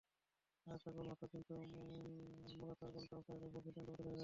আরেকটা গোলও হতো, কিন্তু মোরাতার গোলটা অফসাইডের ভুল সিদ্ধান্তে বাতিল হয়ে যায়।